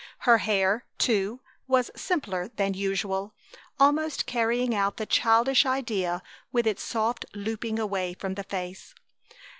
Her hair, too, was simpler than usual, almost carrying out the childish idea with its soft looping away from the face.